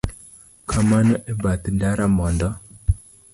Kamano e bath ndara mondo